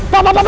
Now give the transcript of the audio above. pak pak pak